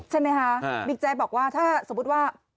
ใช่ไหมคะบิ๊กแจ๊กบอกว่าถ้าสมมุติว่า